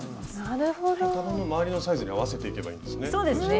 頭の回りのサイズに合わせていけばいいんですね。